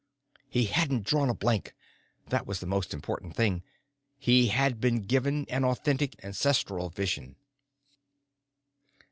He hadn't drawn a blank. That was the most important thing. He had been given an authentic ancestral vision.